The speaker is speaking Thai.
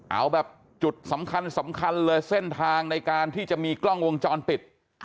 เอาแบบจุดสำคัญสำคัญเลยเส้นทางในการที่จะมีกล้องวงจรปิด